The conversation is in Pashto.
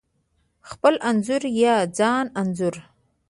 خپل انځور یا ځان انځور: